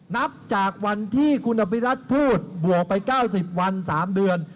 นับจากวันที่คุณอภิรัติพูดบวกไป๙๐วัน๓เดือน